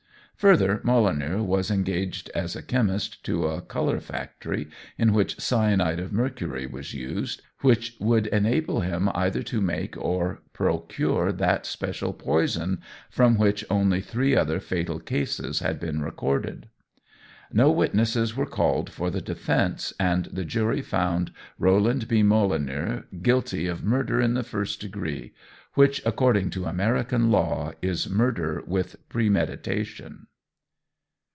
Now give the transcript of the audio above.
Further, Molineux was engaged as a chemist to a colour factory in which cyanide of mercury was used, which would enable him either to make or procure that special poison, from which only three other fatal cases had been recorded. No witnesses were called for the defence, and the jury found Roland B. Molineux guilty of "murder in the first degree," which, according to American law, is murder with premeditation.